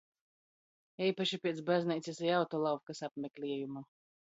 Eipaši piec bazneicys i autolavkys apmekliejuma.